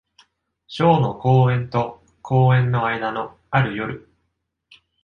ショーの公演と公演の間の、ある夜。